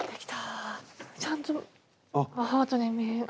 ちゃんとハートに見えあっ。